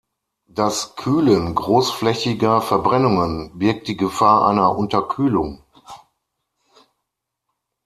Das Kühlen großflächiger Verbrennungen birgt die Gefahr einer Unterkühlung.